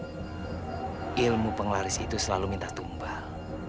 setahu saya ilmu penglaris itu selalu minta tumbal